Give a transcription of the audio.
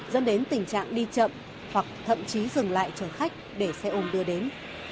dẫn đến tình trạng đi chậm hoặc thậm chí dừng lại chở khách để xe ôm đưa đến